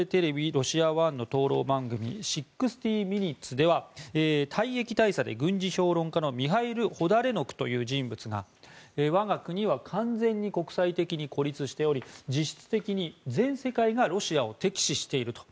ロシア１の討論番組「６０ｍｉｎｕｔｅｓ」では退役大佐で軍事評論家のミハイル・ホダレノクという人物が我が国は完全に国際的に孤立しており実質的に全世界がロシアを敵視していると。